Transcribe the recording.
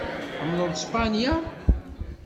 Tḥemmleḍ Spanya?